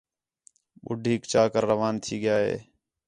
ٻُڈھیک چا کر روان تھی ڳِیا ہِے